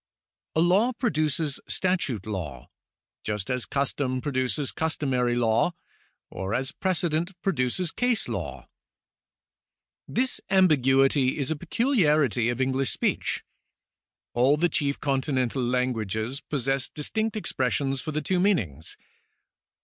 A law produces statute law, just as custom produces customary law, or as a precedent produces case law. This ambiguity is a peculiarity of English speech. All the 9 10 CIVIL LAW [§ 5 chief Continental languages possess distinct expressions for the two meanings.